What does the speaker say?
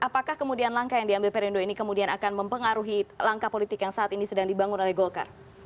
apakah kemudian langkah yang diambil perindo ini kemudian akan mempengaruhi langkah politik yang saat ini sedang dibangun oleh golkar